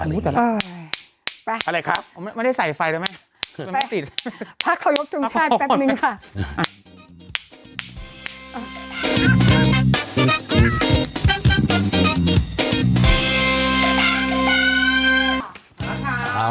อะไรอย่างเงี้ยเออไปอะไรครับไม่ได้ใส่ไฟเลยไหมไม่ติดภาคเคารพชุมชาติแป๊บหนึ่งค่ะอ่ะ